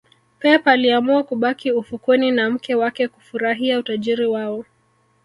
pep aliamua kubaki ufukweni na mke wake kufurahia utajiri wao